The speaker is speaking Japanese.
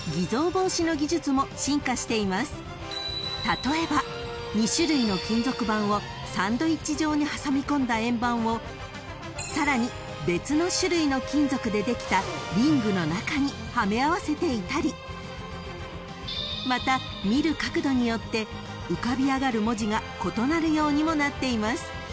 ［例えば２種類の金属板をサンドイッチ状に挟み込んだ円盤をさらに別の種類の金属でできたリングの中にはめ合わせていたりまた見る角度によって浮かび上がる文字が異なるようにもなっています］